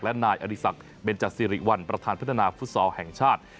และนายอดีศักดิ์เบนจัดสิริวัลประธานพัฒนาฟุตซอลแห่งชาติ